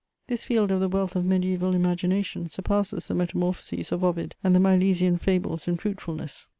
This field of the wealth of mediæval imagination surpasses the Metamorphoses of Ovid and the Milesian fables in fruitfulness.